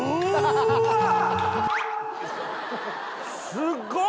すっごい！